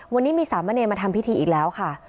วันนี้มีสามเณรมาทำพิธีอีกแล้วค่ะ